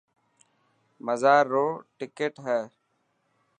مزار رو ٽڪٽ هي.